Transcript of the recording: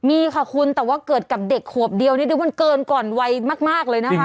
มีค่ะคุณแต่ว่าเกิดกับเด็กขวบเดียวนี่ดูมันเกินก่อนวัยมากเลยนะคะ